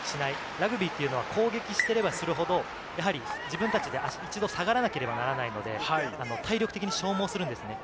ラグビーは攻撃していればするほど自分たちで一度に下がらなければならないので、体力的に消耗するんですね。